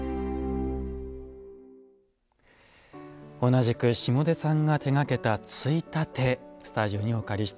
同じく下出さんが手がけたついたてスタジオにお借りしています。